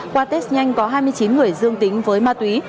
qua test nhanh có hai mươi chín người dương tính với ma túy